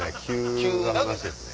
急な話ですね。